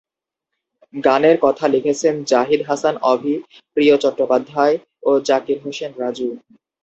গানের কথা লিখেছেন জাহিদ হাসান অভি, প্রিয় চট্টোপাধ্যায় ও জাকির হোসেন রাজু।